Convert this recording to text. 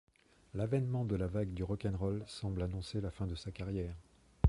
L'avènement de la vague du rock'n'roll semble annoncer la fin de sa carrière.